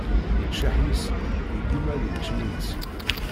Yeččeḥ yisli, yegguma ad yečč imensi.